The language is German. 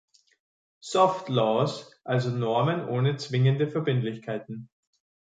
Soft Laws, also Normen ohne zwingende Verbindlichkeit.